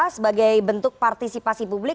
sebagai bentuk partisipasi publik